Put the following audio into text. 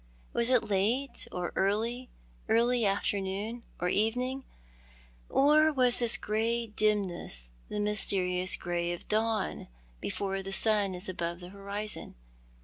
Was it late or early — early afternoon, or evening ? Or was this grey dimness the mysterious grey of dawn, before the sun is above the horizon?